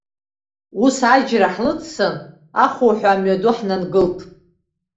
Ус, аџьра ҳлыҵсын, ахуҳәа амҩаду ҳнангылт.